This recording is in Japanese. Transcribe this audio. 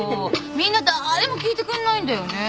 みんな誰も聞いてくんないんだよね。